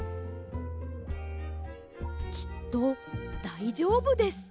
きっとだいじょうぶです。